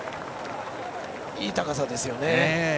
いい高さですよね。